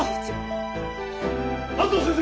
安藤先生